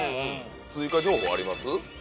追加情報あります？